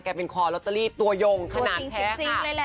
เป็นคอลอตเตอรี่ตัวยงขนาดแท้ค่ะ